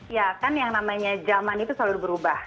ya kan yang namanya zaman itu selalu berubah